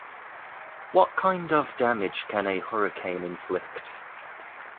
What kind of damage can a hurricane inflict?